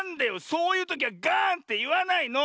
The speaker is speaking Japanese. ⁉そういうときはガーンっていわないの！